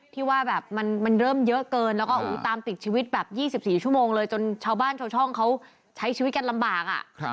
ที่ว่าแบบมันเริ่มเยอะเกินแล้วก็ตามติดชีวิตแบบ๒๔ชั่วโมงเลยจนชาวบ้านชาวช่องเขาใช้ชีวิตกันลำบาก